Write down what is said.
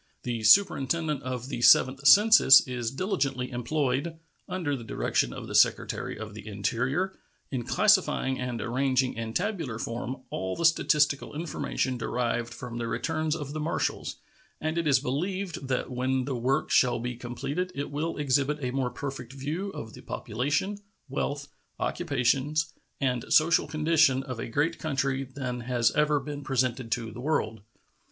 The Superintendent of the Seventh Census is diligently employed, under the direction of the Secretary of the Interior, in classifying and arranging in tabular form all the statistical information derived from the returns of the marshals, and it is believed that when the work shall be completed it will exhibit a more perfect view of the population, wealth, occupations, and social condition of a great country than has ever been presented to the world.